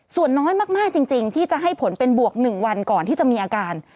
ส่วนน้อยมากจริงที่จะให้ผลเป็นบวก๑วันก่อนที่จะมีอาการ